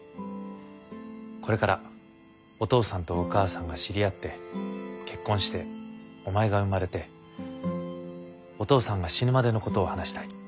これからお父さんとお母さんが知り合って結婚してお前が生まれてお父さんが死ぬまでのことを話したい。